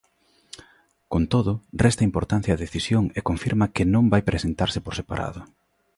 Con todo, resta importancia a decisión e confirma que non vai presentarse por separado.